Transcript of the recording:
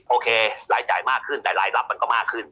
โอเครายจ่ายมากขึ้นแต่รายรับมันก็มากขึ้น